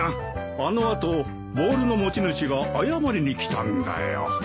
あの後ボールの持ち主が謝りに来たんだよ。